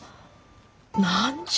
何じゃ？